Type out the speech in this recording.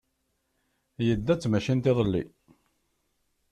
Yedda d tmacint iḍelli.